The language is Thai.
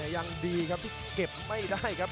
ยังดีครับที่เก็บไม่ได้ครับ